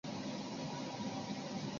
福住是东京都江东区的町名。